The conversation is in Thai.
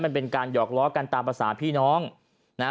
มันเป็นการหยอกล้อกันตามภาษาพี่น้องนะฮะ